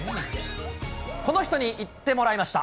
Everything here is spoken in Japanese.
この人に行ってもらいました。